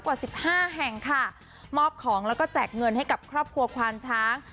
กว่าสิบห้าแห่งค่ะมอบของแล้วก็แจกเงินให้กับครอบครัวควานช้าง